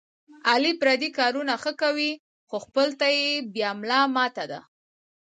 علي پردي کارونه ښه کوي، خو خپل ته یې بیا ملا ماته ده.